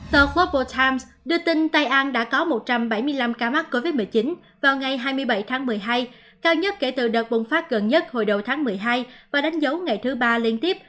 tờ copal time đưa tin tây an đã có một trăm bảy mươi năm ca mắc covid một mươi chín vào ngày hai mươi bảy tháng một mươi hai cao nhất kể từ đợt bùng phát gần nhất hồi đầu tháng một mươi hai và đánh dấu ngày thứ ba liên tiếp